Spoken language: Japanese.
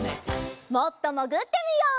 もっともぐってみよう！